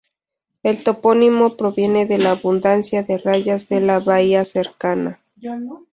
El topónimo proviene de la abundancia de rayas en la bahía cercana.